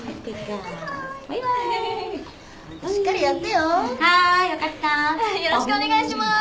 よろしくお願いします。